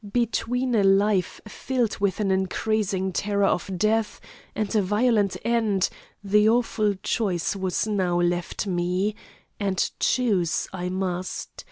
Between a life filled with an increasing terror of death, and a violent end, the awful choice was now left me and choose I must.